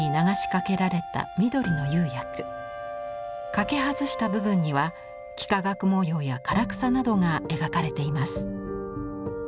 かけ外した部分には幾何学模様や唐草などが描かれています。